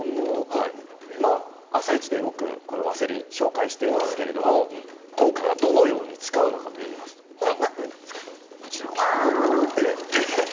「あさイチ」でよくこのワセリン紹介していますけれども今回はどのように使うのかといいますとこんなふうに使います。